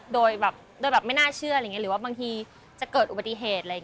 โดยแบบไม่น่าเชื่อหรือว่าบางทีจะเกิดอุบัติเหตุ